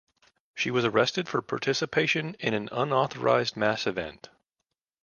She was arrested for "participation in an unauthorized mass event".